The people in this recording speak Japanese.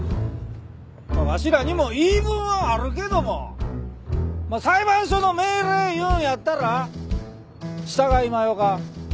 わしらにも言い分はあるけどもまあ裁判所の命令言うんやったら従いまひょか。